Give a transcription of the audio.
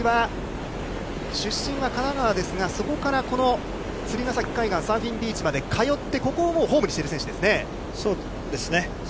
都筑は出身は神奈川ですがそこからこの釣ヶ崎海岸サーフィンビーチまで通って、ここをもうホームにしてる選手ですね。